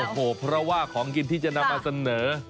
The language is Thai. โอ้โหเพราะว่าของกินที่จะนำมาเสนอ